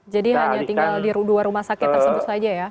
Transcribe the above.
jadi hanya tinggal di dua rumah sakit tersebut saja ya